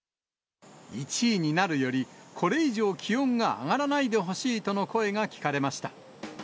１位になるより、これ以上気温が上がらないでほしいとの声が聞かれました。